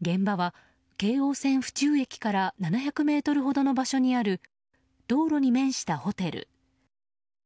現場は京王線府中駅から７００ｍほどの場所にある道路に面したホテル。